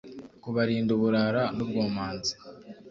kubarinda uburara n’ubwomanzi